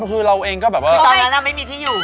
ตอนนั้นเราไม่มีที่อยู่